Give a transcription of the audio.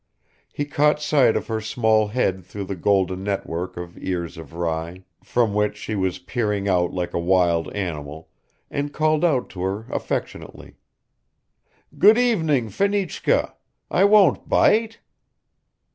He caught sight of her small head through the golden network of ears of rye, from which she was peering out like a wild animal, and called out to her affectionately, "Good evening, Fenichka. I won't bite."